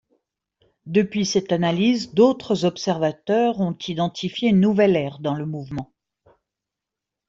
Depuis cette analyse, d'autres observateurs ont identifié une nouvelle ère dans le mouvement.